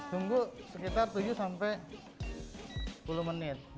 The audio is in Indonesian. tunggu sekitar tujuh sampai sepuluh menit